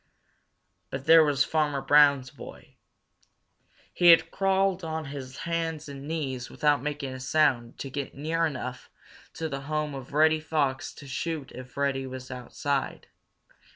But there was Farmer Brown's boy. He had crawled on his hands and knees without making a sound to get near enough to the home of Reddy Fox to shoot if Reddy was outside.